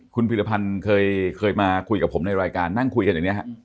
คุณพิรพันธ์เคยมาคุยกับผมในรายการนั่งคุยกันอย่างนี้ฮะ